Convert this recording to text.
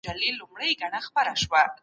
ځمکوال